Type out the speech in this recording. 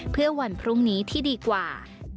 เพื่อวันพรุ่งนี้ที่ดีกว่า